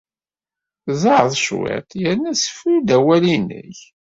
Zɛeḍ cwiṭ yerna ssefru-d awal-nnek.